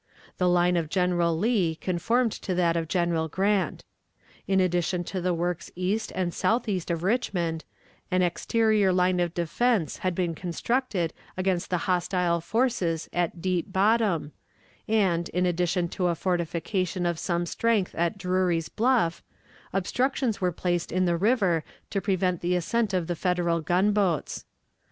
The line of General Lee conformed to that of General Grant. In addition to the works east and southeast of Richmond, an exterior line of defense had been constructed against the hostile forces at Deep Bottom, and, in addition to a fortification of some strength at Drury's Bluff, obstructions were placed in the river to prevent the ascent of the Federal gunboats.